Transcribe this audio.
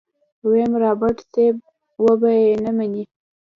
ويم رابرټ صيب وبه يې نه منې.